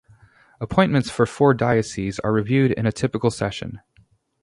Appointments for four dioceses are reviewed in a typical session.